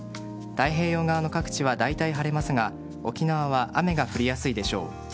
太平洋側の各地はだいたい晴れますが沖縄は雨が降りやすいでしょう。